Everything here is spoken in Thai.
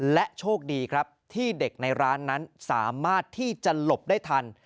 และโชคดีครับที่เด็กในร้านนั้นสามารถที่จะหลบได้ทัน